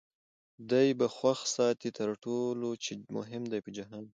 دی به خوښ ساتې تر ټولو چي مهم دی په جهان کي